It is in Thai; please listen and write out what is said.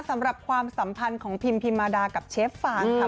ความสัมพันธ์ของพิมพิมมาดากับเชฟฟางค่ะ